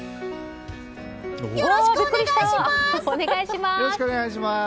よろしくお願いします！